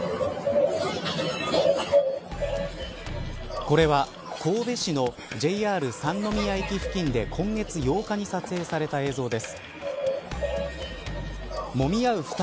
これは、神戸市のＪＲ三ノ宮駅付近で今月８日に撮影された映像です。